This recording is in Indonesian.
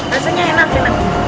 rasanya enak enak